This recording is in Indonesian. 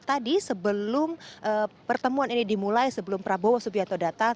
tadi sebelum pertemuan ini dimulai sebelum prabowo subianto datang